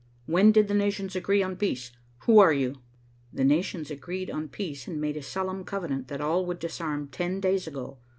"When did the nations agree on peace? Who are you?" "The nations agreed on peace and made a solemn covenant that all would disarm ten days ago.